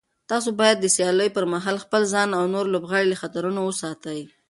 تاسو باید د سیالیو پر مهال خپل ځان او نور لوبغاړي له خطرونو وساتئ.